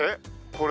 これ。